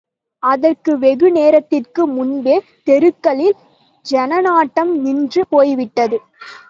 அதற்கு வெகுநேரத்திற்கு முன்பே தெருக்களில் ஜனநடமாட்டம் நின்று போய்விட்டது.